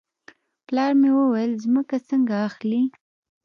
پلار مې وویل ځمکه څنګه اخلې.